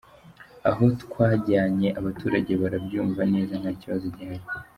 Aho twajyanye abaturage barabyumva neza nta kibazo gihari.